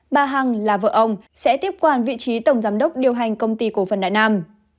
bà hằng là vợ ông sẽ tiếp quản vị trí tổng giám đốc điều hành công ty cổ phần đại nam